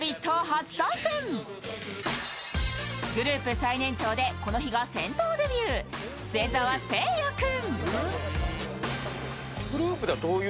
初参戦、グループ最年長で、この日が銭湯デビュー、末澤誠也君。